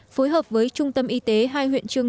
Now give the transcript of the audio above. phối hợp với trung tâm y tế hai huyện trường